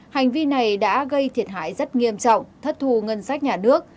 hành vi này đã gây thiệt hại rất nghiêm trọng thất thu ngân sách nhà nước